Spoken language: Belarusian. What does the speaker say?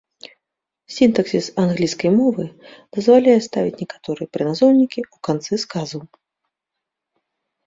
Сінтаксіс англійскай мовы дазваляе ставіць некаторыя прыназоўнікі ў канцы сказаў.